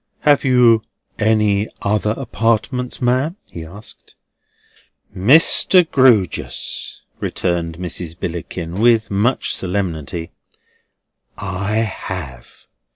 "Have you any other apartments, ma'am?" he asked. "Mr. Grewgious," returned Mrs. Billickin, with much solemnity, "I have.